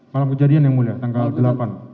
malam kejadian yang mulia tanggal delapan